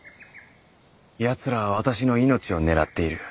やつらは私の命を狙っている。